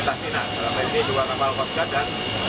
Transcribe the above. dan sekarang saya bertemu ini dengan kapal kapal pemerintah cina